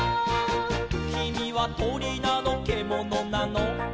「きみはとりなのけものなの」